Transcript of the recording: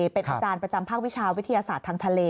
เป็นอาจารย์ประจำภาควิชาวิทยาศาสตร์ทางทะเล